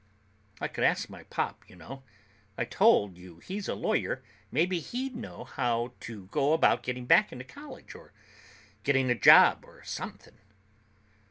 "I could ask my pop. You know, I told you he's a lawyer. Maybe he'd know how you go about getting back into college or getting a job or something."